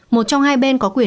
một trong hai bên có quyền